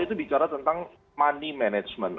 itu bicara tentang money management